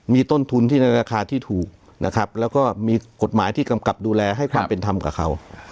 มีต้นทุนที่ในราคาที่ถูกนะครับแล้วก็มีกฎหมายที่กำกับดูแลให้ความเป็นธรรมกับเขา